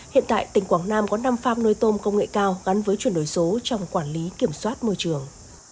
hiện tại tỉnh quảng nam có năm pham nuôi tôm công nghệ cao gắn với chuyển đổi số trong quản lý kiểm soát môi trường